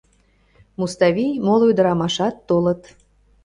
Муставий, моло ӱдырамашат толыт.